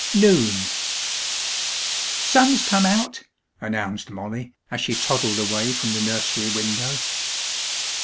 NOON "Sun's tum out!" announced Molly, as she toddled away from the nursery window.